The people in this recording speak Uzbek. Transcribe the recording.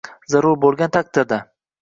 zarur bo‘lgan taqdirda